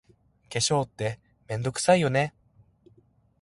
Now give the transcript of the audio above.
化粧って、めんどくさいよね。